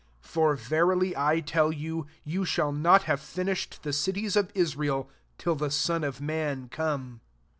[For] verily I tell you, Ye shall not have fi nished the cities of Israel, ^l the Son of man come.